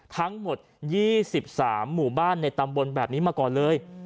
ทั้งหมด๒๓หมู่บ้านในตำบลแบบนี้มาก่อนเลย